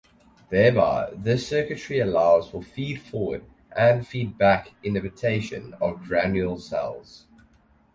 Thereby this circuitry allows for feed-forward and feed-back inhibition of granule cells.